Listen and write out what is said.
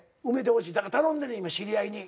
頼んでんねん今知り合いに。